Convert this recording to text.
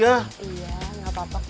iya tidak apa apa